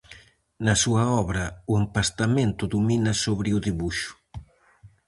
Na súa obra o empastamento domina sobre o debuxo.